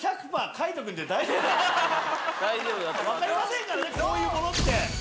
分かりませんからねこういうものって。